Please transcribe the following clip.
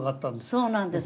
そうなんです。